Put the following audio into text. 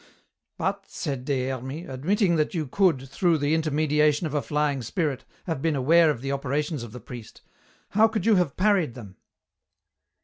"But," said Des Hermies, "admitting that you could, through the intermediation of a flying spirit, have been aware of the operations of the priest, how could you have parried them?"